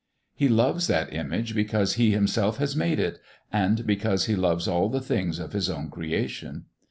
He loves that image because he himself has made it, and because he loves all the things of his own creation.